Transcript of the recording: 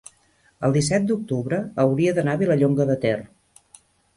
el disset d'octubre hauria d'anar a Vilallonga de Ter.